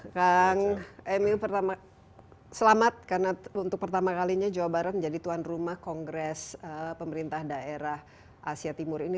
kang emil selamat karena untuk pertama kalinya jawa barat menjadi tuan rumah kongres pemerintah daerah asia timur ini